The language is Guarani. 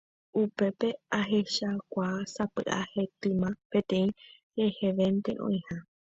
Upépe ahechakuaa sapy'a hetyma peteĩ rehevénte oĩha.